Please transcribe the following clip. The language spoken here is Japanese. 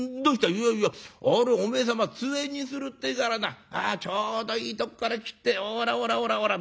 「いやいやあれおめえ様つえにするってえからなちょうどいいとこから切ってほらほらほらほらどうだい？